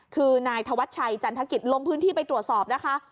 คือนายธวัชชัยจันทกิจลงพื้นที่ไปตรวจสอบนะคะ